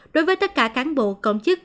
đối với tất cả cán bộ công chức